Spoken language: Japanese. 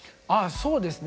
そうですね